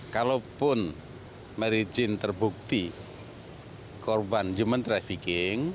kalaupun meri jane terbukti korban juman trafficking